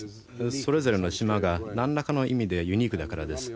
それぞれの島がなんらかの意味でユニークだからです。